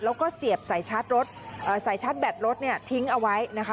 แล้วก็เสียบสายชาร์จรถสายชาร์จแบตรถเนี่ยทิ้งเอาไว้นะคะ